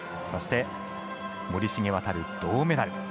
そして森重航、銅メダル。